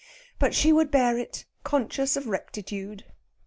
But she would bear it, conscious of rectitude.